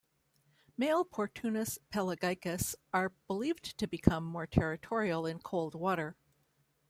Male "Portunus pelagicus" are believed to become more territorial in colder water.